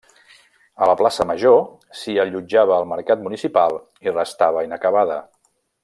A la Plaça Major s'hi allotjava el mercat municipal i restava inacabada.